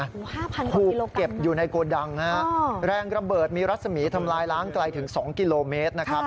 หู๕๐๐๐กติกิโลกรัมน่ะคูกเก็บอยู่ในโกดังฮะแรงระเบิดมีรัศมีร์ทำลายล้างไกลถึง๒กิโลเมตรนะครับ